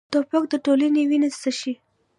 توپک د ټولنې وینه څښي.